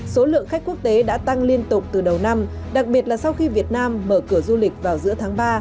số lượng khách quốc tế đã tăng liên tục từ đầu năm đặc biệt là sau khi việt nam mở cửa du lịch vào giữa tháng ba